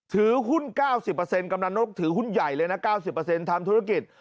ถือหุ้น๙๐กำลังนกถือหุ้นใหญ่เลยนะ๙๐ทำธุรกิจ